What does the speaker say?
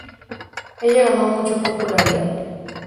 Ella ganó mucha popularidad.